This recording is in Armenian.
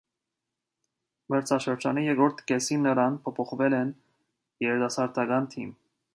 Մրցաշրջանի երկրորդ կեսին նրան տեղափոխել են երիտասարդական թիմ։